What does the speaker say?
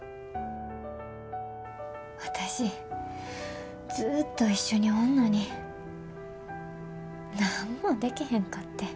私ずっと一緒におんのに何もでけへんかってん。